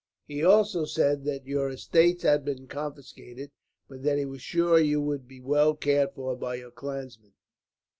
He also said that your estates had been confiscated, but that he was sure you would be well cared for by your clansmen.